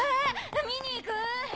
見に行く！